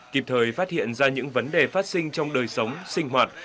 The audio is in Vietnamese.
kịp thời phát hiện ra những vấn đề phát sinh trong đời sống sinh hoạt